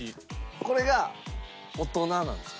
これが「おとな」なんですよ。